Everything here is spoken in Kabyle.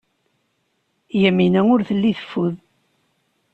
Yamina ur telli teffud.